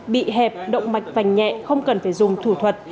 bị hẹp động mạch vành nhẹ không cần phải dùng thủ thuật